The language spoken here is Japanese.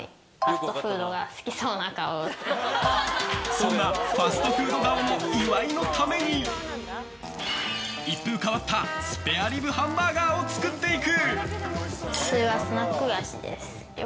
そんなファストフード顔の岩井のために一風変わったスペアリブハンバーガーを作っていく。